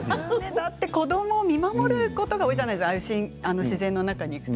だって子どもを見守ることが多いじゃないですか、自然の中に行くと。